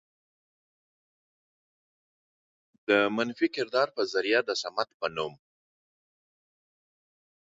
د منفي کردار په ذريعه د صمد په نوم